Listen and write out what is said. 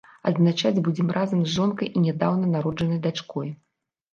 Адзначаць будзе разам з жонкай і нядаўна народжанай дачкой.